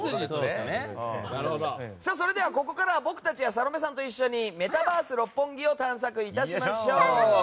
それではここからは僕たちがサロメさんと一緒にメタバース六本木を探索いたしましょう。